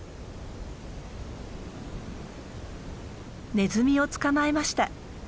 ネズミを捕まえました。